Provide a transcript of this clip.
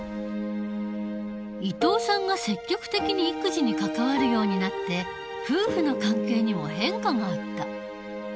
伊藤さんが積極的に育児に関わるようになって夫婦の関係にも変化があった。